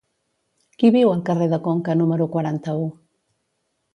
Qui viu al carrer de Conca número quaranta-u?